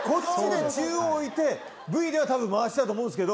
中央に置いて、Ｖではたぶん、回してたと思うんですけど。